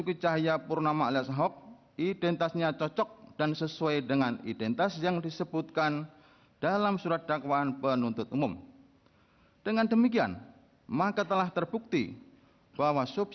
kepulauan seribu kepulauan seribu